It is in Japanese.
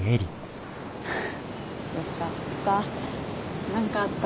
よかった。